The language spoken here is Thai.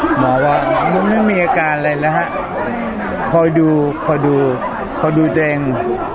หมอบอกไม่มีอาการอะไรนะฮะคอยดูคอยดูคอยดูตัวเอง